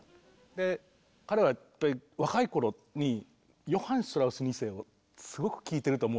で彼はやっぱり若い頃にヨハン・シュトラウス２世をすごく聴いてると思うんだよね。